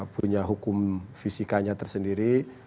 punya hukum fisikanya tersendiri